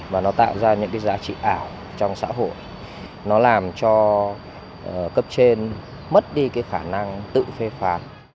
và nó tạo ra những cái giá trị ảo trong xã hội nó làm cho cấp trên mất đi cái khả năng tự phê phán